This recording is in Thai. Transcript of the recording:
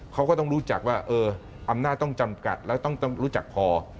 เขาก็ต้องรู้จักว่าเอออำนาจต้องจำกัดแล้วต้องรู้จักพอ